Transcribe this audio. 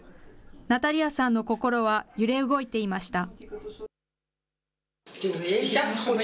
ナタリアさんの心は揺れ動いていました。